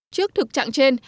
trước thực trạng trên